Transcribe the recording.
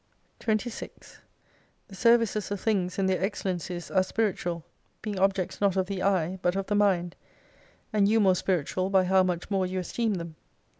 IS 26 The services of things and their excellencies arc spi ritual : being objects not of the eye, but of the mind : and you more spiritual by how much more you esteem them.